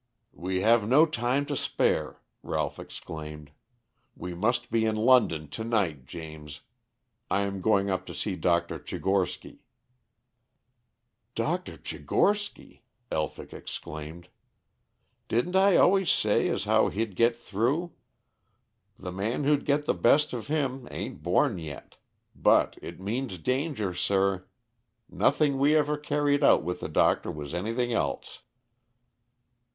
"We have no time to spare," Ralph exclaimed. "We must be in London to night, James. I am going up to see Dr. Tchigorsky." "Dr. Tchigorsky!" Elphick exclaimed. "Didn't I always say as how he'd get through? The man who'd get the best of him ain't born yet. But it means danger, sir. Nothing we ever carried out with the doctor was anything else."